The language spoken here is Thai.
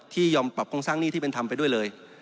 ยอมปรับโครงสร้างหนี้ที่เป็นธรรมไปด้วยเลย